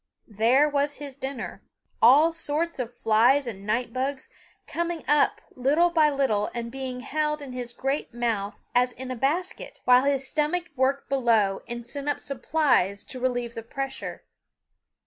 There was his dinner, all sorts of flies and night bugs, coming up little by little and being held in his great mouth as in a basket, while his stomach worked below and sent up supplies to relieve the pressure.